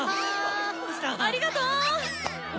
ありがとう！あ？